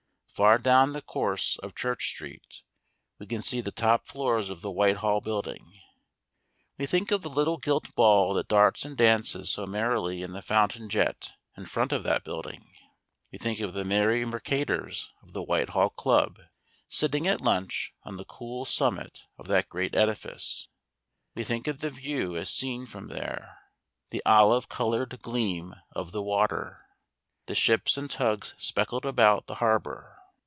Far down the course of Church Street we can see the top floors of the Whitehall Building. We think of the little gilt ball that darts and dances so merrily in the fountain jet in front of that building. We think of the merry mercators of the Whitehall Club sitting at lunch on the cool summit of that great edifice. We think of the view as seen from there, the olive coloured gleam of the water, the ships and tugs speckled about the harbour.